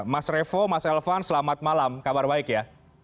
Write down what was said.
mas revo mas elvan selamat malam kabar baik ya